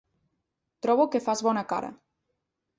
Trobo que fas bona cara.